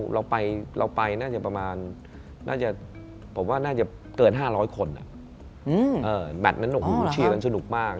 เราไปน่าจะประมานน่าจะเกิน๕๐๐คนแมตตุนั้นเชียร์ก็สนุกมาก